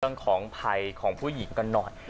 เรื่องของภัยของผู้หญิงกันหน่อย